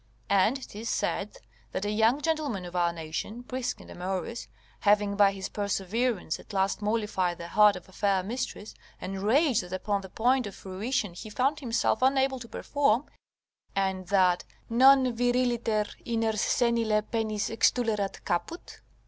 And, 'tis said that a young gentleman of our nation, brisk and amorous, having by his perseverance at last mollified the heart of a fair mistress, enraged, that upon the point of fruition he found himself unable to perform, and that, "Nec viriliter Iners senile penis extulit caput."